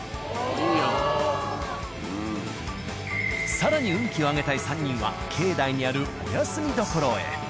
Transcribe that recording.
更に運気を上げたい３人は境内にあるお休み処へ。